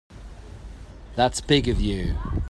That's big of you.